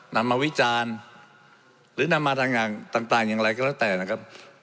นำมาวิจารณ์หรือนำมาทางต่างอย่างไรก็แล้วแต่นะครับ